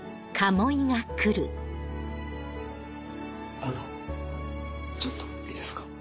あのちょっといいですか？